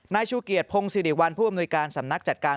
นายชูเกียจพงศิริวัลผู้อำนวยการสำนักจัดการ